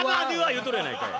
言うとるやないかい！